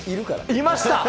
いました？